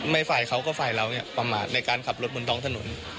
ฝ่ายเขาก็ฝ่ายเราเนี่ยประมาทในการขับรถบนท้องถนน